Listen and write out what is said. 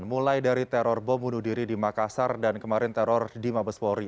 mulai dari teror bom bunuh diri di makassar dan kemarin teror di mabes polri